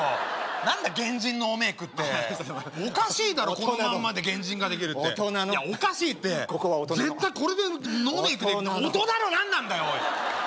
何だ原人ノーメークっておかしいだろこのまんまで原人ができるって大人のおかしいって絶対これでノーメークで大人の大人の何なんだよおい！